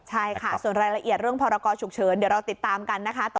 ใช่ค่ะส่วนรายละเอียดเรื่องพรกรฉุกเฉินเดี๋ยวเราติดตามกันนะคะ